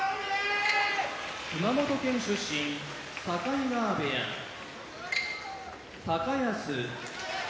熊本県出身境川部屋高安